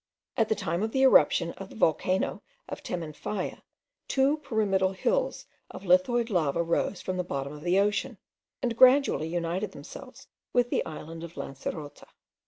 At the time of the eruption of the volcano of Temanfaya, two pyramidal hills of lithoid lava rose from the bottom of the ocean, and gradually united themselves with the island of Lancerota.